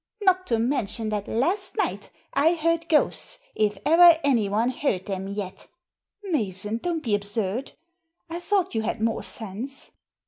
Not to mention that last night I heard ghosts, if ever anyone heard them yet" " Mason ! Don't be absurd. I thought you had more sense."